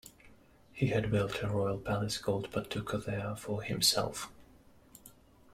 He had built a Royal Palace called "Patuka" there for himself.